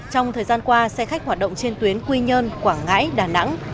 trong thời gian qua xe khách hoạt động trên tuyến quy nhơn quảng ngãi đà nẵng